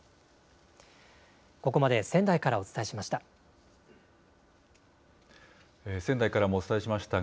ここまで仙台からお伝えしました。